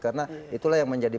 karena itulah yang menjadi